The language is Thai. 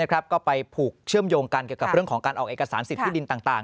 ก็ไปผูกเชื่อมโยงกันเกี่ยวกับเรื่องของการออกเอกสารสิทธิดินต่าง